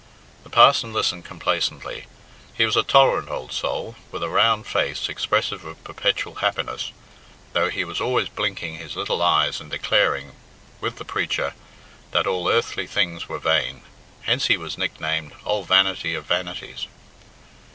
The parson listened complacently. He was a tolerant old soul, with a round face, expressive of perpetual happiness, though he was always blinking his little eyes and declaring, with the Preacher, that all earthly things were vain. Hence he was nicknamed Old Vanity of Vanities.